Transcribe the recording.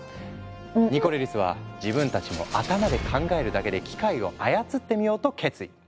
ニコレリスは自分たちも頭で考えるだけで機械を操ってみようと決意。